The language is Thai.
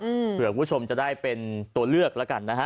เผื่อคุณผู้ชมจะได้เป็นตัวเลือกแล้วกันนะฮะ